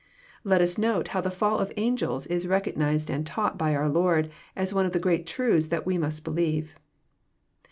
Let us note how the fiall of angels Is recognized and tavght by our Lord, as one of the great truths that we must believe.